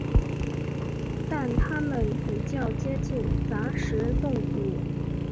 但它们比较接近杂食动物。